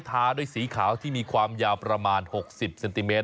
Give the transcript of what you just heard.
ทาด้วยสีขาวที่มีความยาวประมาณ๖๐เซนติเมต